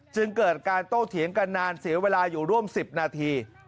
จึงเกิดการโต้เถียงกันนานเสียเวลาอยู่ร่วม๑๐นาที